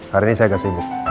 hari ini saya agak sibuk